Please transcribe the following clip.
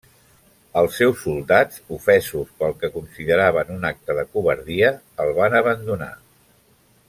Els seus soldats, ofesos pel que consideraven un acte de covardia, el va abandonar.